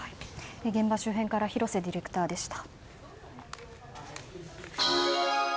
現場周辺から広瀬ディレクターでした。